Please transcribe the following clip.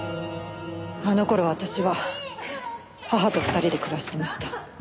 あの頃私は母と２人で暮らしてました。